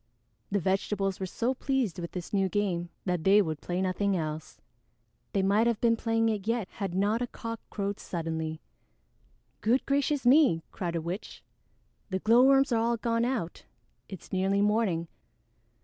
The vegetables were so pleased with this new game that they would play nothing else. They might have been playing it yet had not a cock crowed suddenly. "Good gracious me!" cried a witch. "The glowworms are all gone out. It's nearly morning.